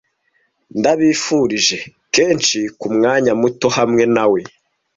Ndabifurije, kenshi kumwanya muto hamwe nawe